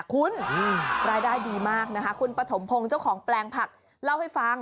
คุณรายได้ดีมากนะคะคุณปฐมพงศ์เจ้าของแปลงผักเล่าให้ฟัง